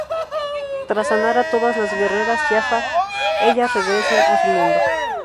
Tras sanar a todas las guerreras Jaffa, ellas regresan a su mundo.